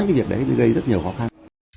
cái việc đấy gây rất nhiều khó khăn